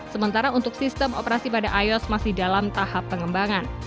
sementara untuk sistem operasi pada ios masih dalam tahap pengembangan